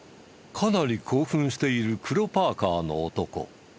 かなり興奮している黒パーカーの男。